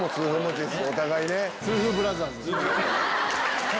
お互いね。